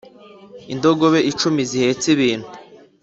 indogobe icumi zihetse ibintu.